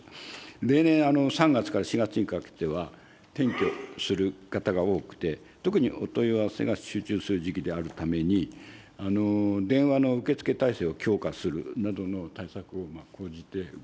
例年３月から４月にかけては、転居する方が多くて、特にお問い合わせが集中する時期であるために、電話の受け付け態勢を強化するなどの対策を講じてございます。